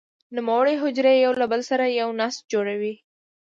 نوموړې حجرې یو له بل سره یو نسج جوړوي.